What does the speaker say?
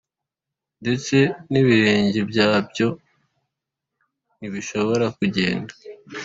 ndetse n’ibirenge byabyo ntibishobore kugenda.